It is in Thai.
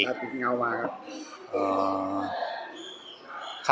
ติดเงามาครับ